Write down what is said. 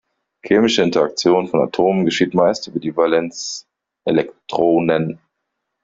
Chemische Interaktion von Atomen geschieht meist über die Valenzelektronen.